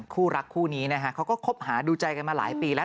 คู่รักคู่นี้นะฮะเขาก็คบหาดูใจกันมาหลายปีแล้ว